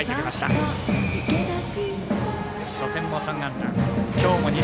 初戦も３安打。